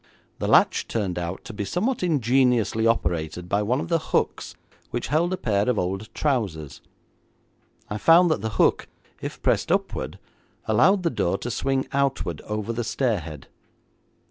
The latch turned out to be somewhat ingeniously operated by one of the hooks which held a pair of old trousers. I found that the hook, if pressed upward, allowed the door to swing outward, over the stairhead.